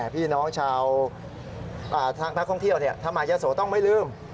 พี่น้องชาวทางนักท่องเที่ยวเนี่ยถ้าหมายยาโสต้องไม่ลืม